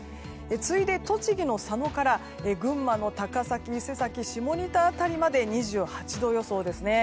次いで、栃木の佐野から群馬の高崎、伊勢崎下仁田辺りまで２８度予想ですね。